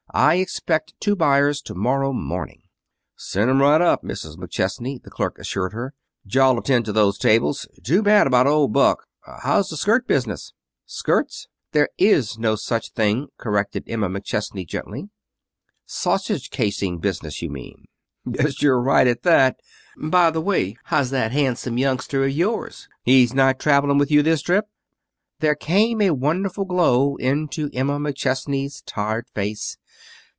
I expect two buyers to morrow morning. "Send 'em right up, Mrs. McChesney," the clerk assured her. "Jo'll attend to those tables. Too bad about old Buck. How's the skirt business?" "Skirts? There is no such thing," corrected Emma McChesney gently. "Sausage casing business, you mean." "Guess you're right, at that. By the way, how's that handsome youngster of yours? He's not traveling with you this trip?" There came a wonderful glow into Emma McChesney's tired face.